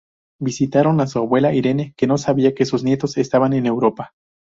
Visitaron a su abuela Irene, que no sabía que sus nietos estaban en Europa.